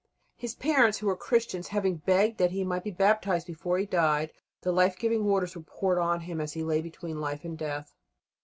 His parents, who were Christians, having begged that he might be baptized before he died, the life giving waters were poured on him as he lay between life and death.